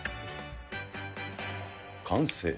完成。